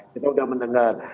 kita sudah mendengar